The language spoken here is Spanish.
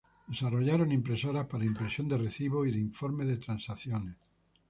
Desarrollaron impresoras para impresión de recibos y de informes de transacciones.